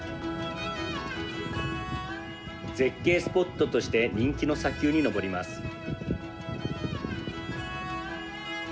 絶景スポットとして人気の砂丘に登ります。